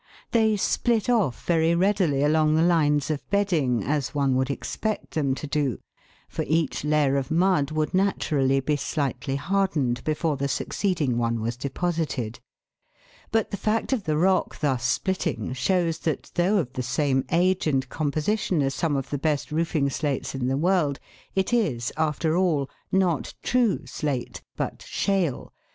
They split off very readily along the lines of bedding, as one would ex pect them to do, for each layer of mud would natu rally be slightly hardened before the succeeding one was deposited; but the fact of the rock thus splitting shows that, though of the same age and composi tion as some of the best roofing slates in the world, it is, after all, not true slate, but shale (Fig.